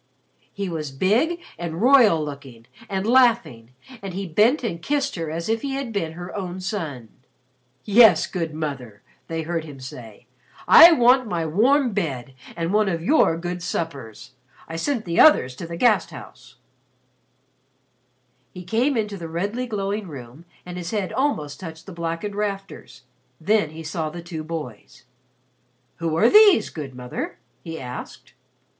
He was big and royal looking and laughing and he bent and kissed her as if he had been her own son. "Yes, good Mother," they heard him say. "I want my warm bed and one of your good suppers. I sent the others to the Gasthaus." He came into the redly glowing room and his head almost touched the blackened rafters. Then he saw the two boys. "Who are these, good Mother?" he asked.